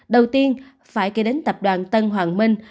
đầu tiên phải kể đến tập đoàn tân hoàng minh